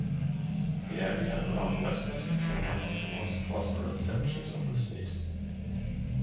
The area around Westmont became one of the most prosperous sections of the state.